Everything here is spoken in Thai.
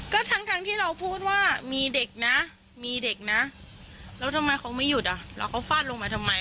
ก็ทั้งที่เราพูดว่ามีเด็กนะมีเด็กนะแล้วทำไมเขาไม่หยุดอ่ะแล้วเขาฟาดลงมาทำไม